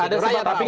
ada semua tahu